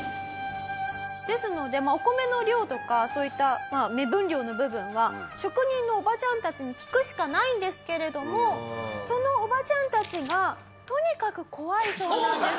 ですのでお米の量とかそういった目分量の部分は職人のおばちゃんたちに聞くしかないんですけれどもそのおばちゃんたちがとにかく怖いそうなんです。